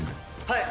はい！